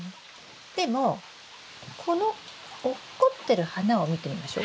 でもこの落っこってる花を見てみましょうか。